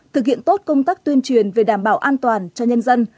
thực hiện tốt công tác tuyên truyền về đảm bảo an toàn cho nhân dân